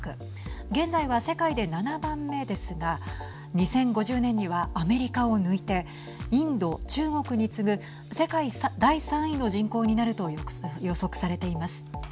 現在は世界で７番目ですが２０５０年にはアメリカを抜いてインド、中国に次ぐ世界第３位の人口になると予測されています。